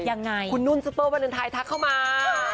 คุณนุนซุปเปอร์วันนึนไทยทักเข้ามา